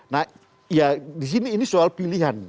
nah ya di sini ini soal pilihan